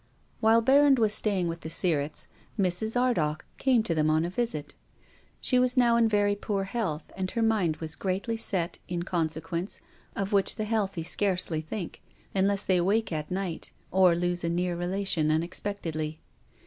While Berrand was staying with the Sirretts, Mrs. Ardagh came to them on a visit. She was now in very poor health, and her mind was greatly set, in consequence, on that other world of which the healthy scarcely think, unless they wake at night or lose a near relation unexpect edly.